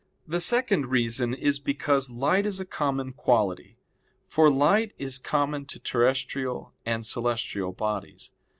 The second reason is because light is a common quality. For light is common to terrestrial and celestial bodies.